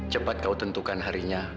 cepat kau tentukan harinya